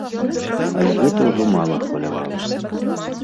Але гэта ўжо мала хвалявала.